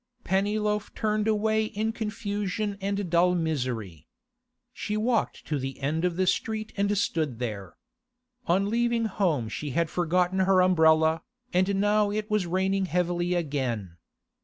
Pennyloaf turned away in confusion and dull misery. She walked to the end of the street and stood there. On leaving home she had forgotten her umbrella, and now it was raining heavily again.